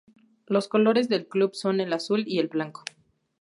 Los colores del club son el azul y el blanco.